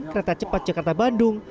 kereta cepat jakarta bandung